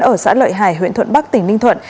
ở xã lợi hải huyện thuận bắc tỉnh ninh thuận